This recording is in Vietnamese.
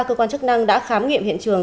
cơ quan chức năng đã khám nghiệm hiện trường